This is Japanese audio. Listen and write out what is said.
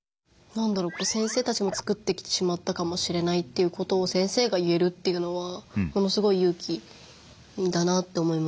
先生たちもつくってきてしまったかもしれないっていうことを先生が言えるっていうのはものすごい勇気だなと思いますし。